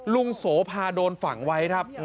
โสภาโดนฝังไว้ครับ